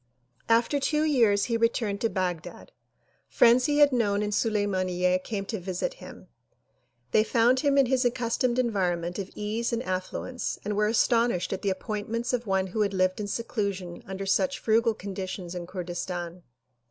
After two years he returned to Baghdad. Friends he had known in Sulimaniyye came to visit him. They found him in his accustomed environment of ease and affluence and were astonished at the appointments of one who had lived in seclusion under such frugal conditions in Kurdistan.